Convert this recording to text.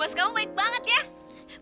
mas kamu baik banget ya